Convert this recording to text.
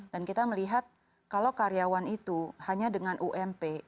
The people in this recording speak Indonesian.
dan kita melihat kalau karyawan itu hanya dengan ump